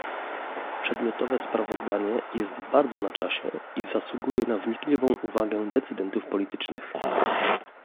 przedmiotowe sprawozdanie jest bardzo na czasie i zasługuje na wnikliwą uwagę decydentów politycznych